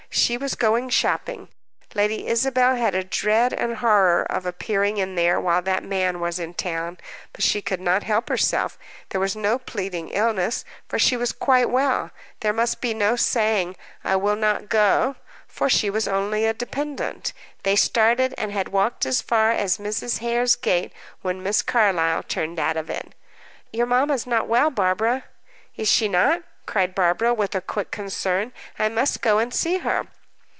She was going shopping. Lady Isabel had a dread and horror of appearing in there while that man was in town, but she could not help herself. There was no pleading illness, for she was quite well; there must be no saying, "I will not go," for she was only a dependant. They started, and had walked as far as Mrs. Hare's gate, when Miss Carlyle turned out of it. "Your mamma's not well, Barbara." "Is she not?" cried Barbara, with quick concern. "I must go and see her."